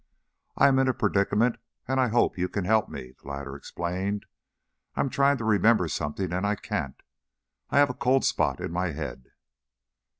"I'm in a predicament and I hope you can help me," the latter explained. "I'm trying to remember something and I can't. I have a cold spot in my head."